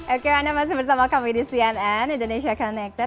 oke anda masih bersama kami di cnn indonesia connected